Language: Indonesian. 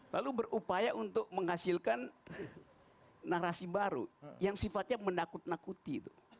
lalu berupaya untuk menghasilkan narasi baru yang sifatnya menakuti